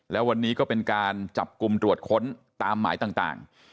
แล้ววันนี้ก็เป็นการจับกลุ่มตรวจค้นตามหมายต่าง